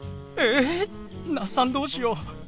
え那須さんどうしよう。